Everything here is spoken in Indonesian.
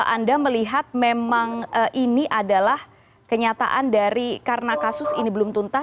anda melihat memang ini adalah kenyataan dari karena kasus ini belum tuntas